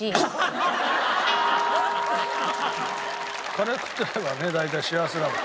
カレー食ってればね大体幸せだもん。